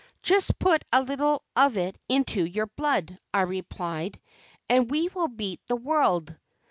"Just put a little of it into your blood," I replied, "and we will beat the world."